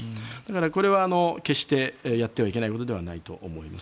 これは決してやってはいけないことではないと思います。